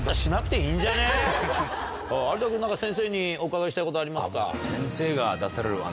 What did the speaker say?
有田君何か先生にお伺いしたいことありますか？